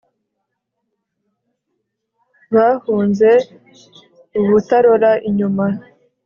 bahunze ubutarora inyuma